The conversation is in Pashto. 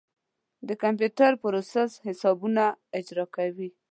د کمپیوټر پروسیسر حسابونه اجرا کوي.